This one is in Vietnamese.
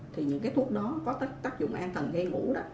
thì những thuốc đó có tác dụng an thần gây ngủ